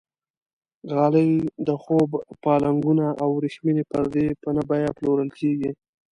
غالۍ، د خوب پالنګونه او وریښمینې پردې په نه بیه پلورل کېږي.